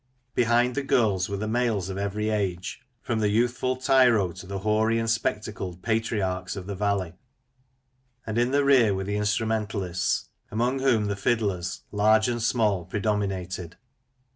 Behind the girls were the piales of every age, from the youthful tyro to the hoary and spectacled patriarchs of the valley ; and in the rear were the instrumentafists, among whom the fiddlers, large and small, predominated.